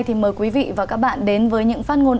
thì mời quý vị và các bạn đến với những phát ngôn